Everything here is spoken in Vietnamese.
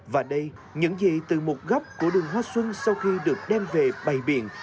và đây những gì từ một góc của đường hoa xuân sau khi được đem về bày biển